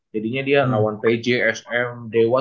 jadinya dia lawan pj sm dewa